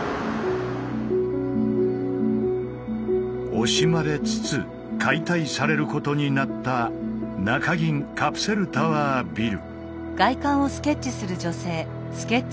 惜しまれつつ解体されることになった中銀カプセルタワービル。